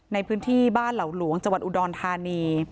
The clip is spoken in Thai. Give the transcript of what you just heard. ในพื้นที่บ้านเหล่าหลวงจังหวัดอุดรธานี